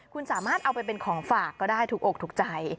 คุณสามารถเอาไปเป็นของฝากก็ได้ถูกอกถูกใจ